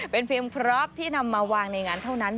เป็นเพียงพร้อมที่นำมาวางในงานเท่านั้น